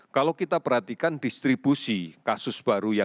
kalau kita perhatikan distribusi kasus baru